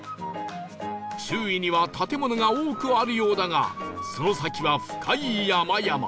周囲には建物が多くあるようだがその先は深い山々